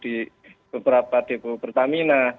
di beberapa depo pertamina